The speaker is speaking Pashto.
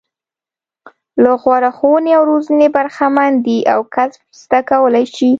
له غوره ښوونې او روزنې برخمن دي او کسب زده کولای شي.